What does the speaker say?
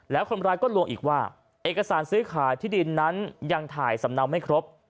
แล้วคนร้ายก็ลวงอีกว่าเอกสารซื้อขายที่ดินนั้นยังถ่ายสำเนาไม่ครบ